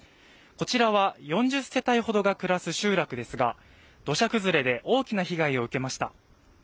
こちらは４０世帯ほどが暮らす集落ですが土砂崩れで大きな被害を受けました